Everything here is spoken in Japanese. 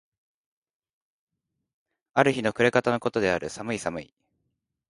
ある日の暮方の事である。寒い寒い。